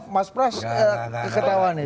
mas pras ketawa nih